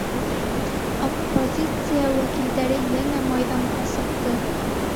Оппозиция вәкилдәре йәнә Майҙанға сыҡты.